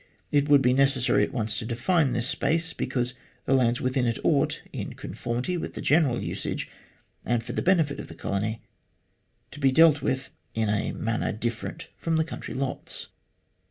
It would be necessary at once to define this space, because the lands within it ought, in conformity with the general usage, and for the benefit of the colony, to be dealt with in a manner different from country lots.